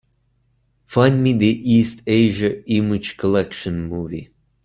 Find me the East Asia Image Collection movie.